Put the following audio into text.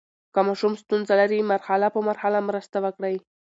که ماشوم ستونزه لري، مرحله په مرحله مرسته وکړئ.